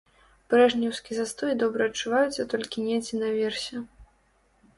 Брэжнеўскі застой добра адчуваецца толькі недзе наверсе.